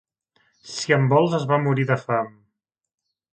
Si en vols es va morir de fam.